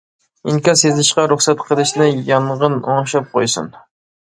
ئىنكاس يېزىشقا رۇخسەت قىلىشنى يانغىن ئوڭشاپ قويسۇن!